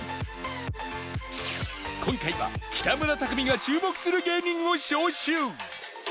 今回は北村匠海が注目する芸人を招集